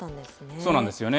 そうなんですよね。